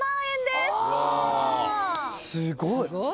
すごいね。